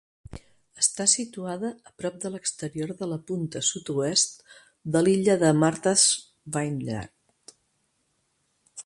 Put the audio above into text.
Està situada a prop de l'exterior de la punta sud-oest de l'illa de Martha's Vineyard.